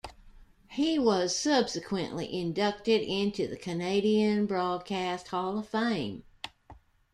He was subsequently inducted into the Canadian Broadcast Hall of Fame.